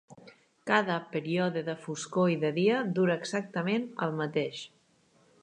Cada període de foscor i de dia dura exactament el mateix.